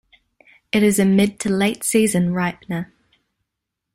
It is a mid to late-season ripener.